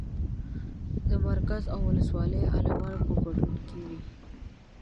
د مرکز او ولسوالۍ عالمانو په ګډون وي.